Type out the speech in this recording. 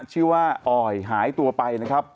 ชื่อว่าออยหายตัวไปนะครับ